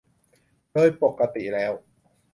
โดยปกติแล้ว